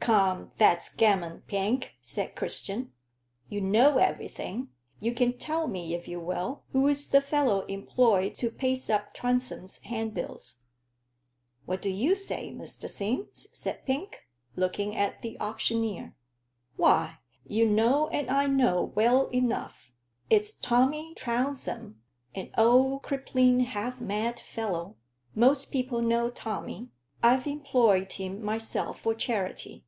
"Come, that's gammon, Pink," said Christian. "You know everything. You can tell me if you will, who is the fellow employed to paste up Transome's handbills?" "What do you say, Mr. Sims?" said Pink, looking at the auctioneer. "Why, you know and I know well enough. It's Tommy Trounsem an old, crippling, half mad fellow. Most people know Tommy. I've employed him myself for charity."